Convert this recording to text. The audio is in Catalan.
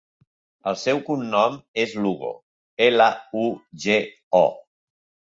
El seu cognom és Lugo: ela, u, ge, o.